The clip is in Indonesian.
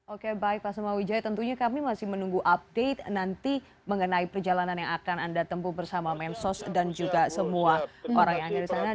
oke baik pak samawijaya tentunya kami masih menunggu update nanti mengenai perjalanan yang akan anda tempuh bersama mensos dan juga semua orang yang ada di sana